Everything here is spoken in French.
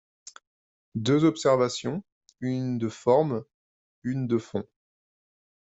Deux observations, une de forme, une de fond.